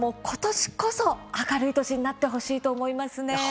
ことしこそ明るい年になってほしいと思いますね。